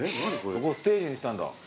ここステージにしたんだ。